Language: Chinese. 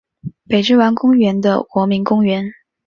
北之丸公园的国民公园。